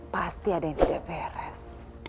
pasti ada yang tidak beres